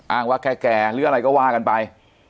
ว่าแก่หรืออะไรก็ว่ากันไป